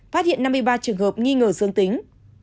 phát hiện năm mươi ba trường hợp nghi ngờ dương tính